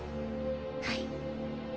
はい。